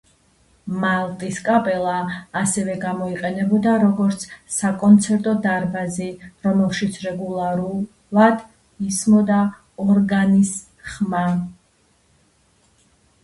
მალტის კაპელა ასევე გამოიყენებოდა როგორც საკონცერტო დარბაზი, რომელშიც რეგულარულად ისმოდა ორგანის ხმა.